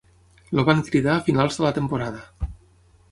El van cridar a finals de la temporada.